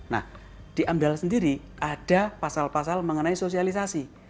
nah di amdal sendiri ada pasal pasal mengenai sosialisasi